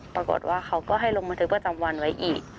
ปรากฏว่าเขาก็ให้ลงบันทึกประจำวันไว้อีก